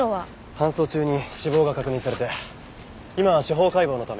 搬送中に死亡が確認されて今は司法解剖のため洛北医大に。